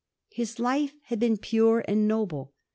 His life had been pure and noble.